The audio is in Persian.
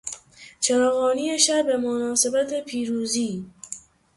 چراغانی شهر به مناسبت پیروزی